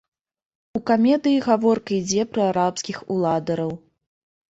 У камедыі гаворка ідзе пра арабскіх уладароў.